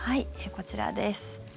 こちらです。